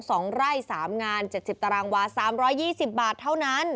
สองไร่สามงานเจ็ดสิบตารางวาสามร้อยยี่สิบบาทเท่านั้น